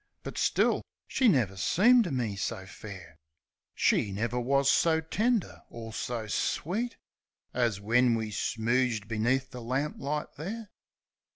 But still, she never seemed to me so fair; She never wus so tender or so sweet As when she smooged beneath the lamplight there.